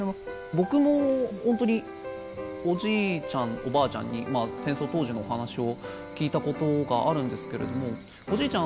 僕も本当におじいちゃんおばあちゃんに戦争当時のお話を聞いたことがあるんですけれどもおじいちゃん